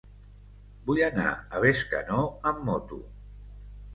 Vull anar a Bescanó amb moto.